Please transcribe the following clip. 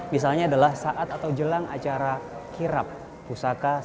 misalnya adalah saat atau jelang acara kirap pusaka